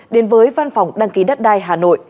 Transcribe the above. đến với văn phòng đăng ký đất đai hà nội